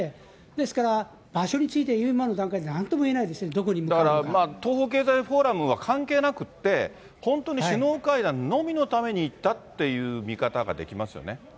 ですから、場所について今の段階ではなんとも言えないですね、どだからまあ、東方経済フォーラムは関係なくって、本当に首脳会談のみのために行ったっていう見方ができますよね。